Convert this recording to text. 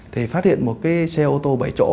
thì phát hiện một cái xe ô tô bảy chỗ